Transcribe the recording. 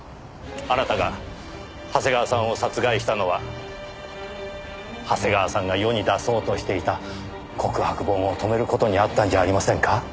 あなたが長谷川さんを殺害したのは長谷川さんが世に出そうとしていた告白本を止める事にあったんじゃありませんか？